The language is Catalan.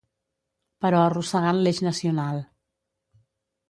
Però arrossegant l’eix nacional.